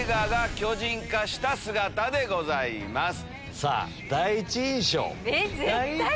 さぁ第一印象。